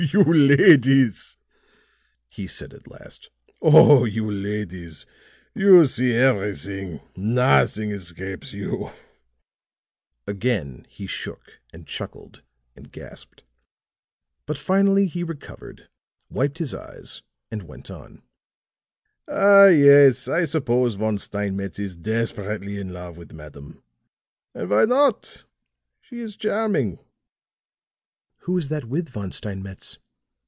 "Oh, you ladies!" he said at last. "Oh, you ladies, you see everything! Nothing escapes you." Again he shook and chuckled and gasped. But finally he recovered, wiped his eyes and went on: "Ah, yes, I suppose Von Steinmetz is desperately in love with madame. And why not? She is charming." "Who is that with Von Steinmetz?"